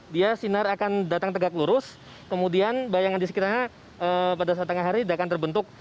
dia sinar akan datang tegak lurus kemudian bayangan di sekitarnya pada saat tengah hari tidak akan terbentuk